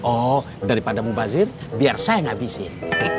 oh daripada mubazir biar saya ngabisin